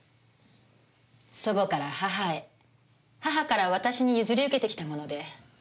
祖母から母へ母から私に譲り受けてきたもので。